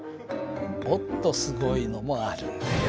もっとすごいのもあるんだよ。